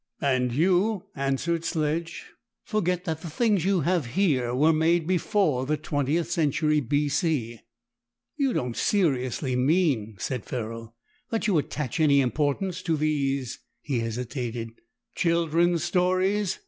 "And you," answered Sledge, "forget that the things you have here were made before the Twentieth Century. B.C." "You don't seriously mean," said Ferrol, "that you attach any importance to these " he hesitated. "Children's stories?"